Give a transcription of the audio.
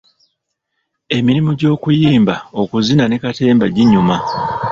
Emirimu gy'okuyimba, okuzina ne katemba ginyuma.